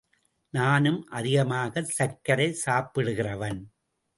நானும் அதிகமாகச் சர்க்கரை சாப்பிடுகிறவன்.